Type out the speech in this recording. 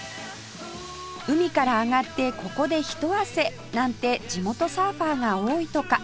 海から上がってここで一汗なんて地元サーファーが多いとか